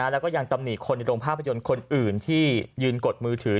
แล้วก็ยังตำหนิคนในโรงภาพยนตร์คนอื่นที่ยืนกดมือถือ